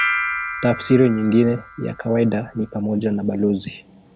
Tafsiri nyingine ya kawaida ni pamoja na balozi.